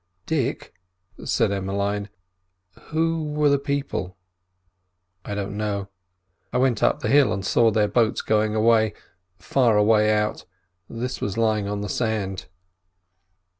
"Dick," said Emmeline, "who were the people?" "I don't know; I went up the hill and saw their boats going away—far away out. This was lying on the sand."